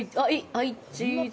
はい、チーズ。